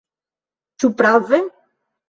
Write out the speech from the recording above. Ĉu prave?